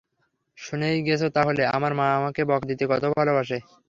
শুনেই গেছ তাহলে আমার মা আমাকে বকা দিতে কত ভালোবাসে।